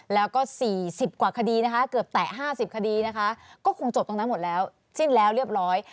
แล้วก็๔๐กว่าคดีนะคะเกือบแตะ๕๐คดีนะคะก็คงจบตรงนั้นหมดแล้วสิ้นแล้วเรียบร้อย